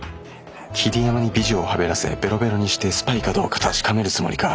桐山に美女をはべらせベロベロにしてスパイかどうか確かめるつもりか。